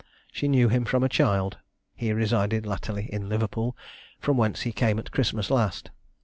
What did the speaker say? She knew him from a child. He resided latterly at Liverpool, from whence he came at Christmas last.